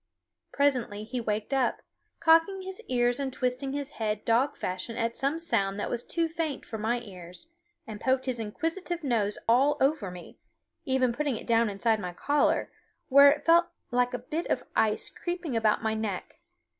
Presently he waked up, cocking his ears and twisting his head dog fashion at some sound that was too faint for my ears, and poked his inquisitive nose all over me, even putting it down inside my collar, where it felt like a bit of ice creeping about my neck.